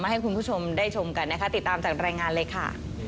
ให้คุณผู้ชมได้ชมกันนะคะติดตามจากรายงานเลยค่ะ